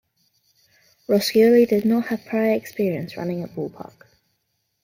Roscioli did not have prior experience running a ballpark.